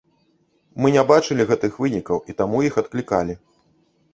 Мы не бачылі гэтых вынікаў і таму іх адклікалі.